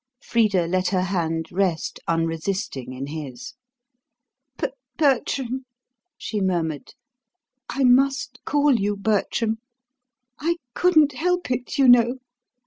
Frida let her hand rest unresisting in his. "But, Bertram," she murmured, "I MUST call you Bertram I couldn't help it, you know.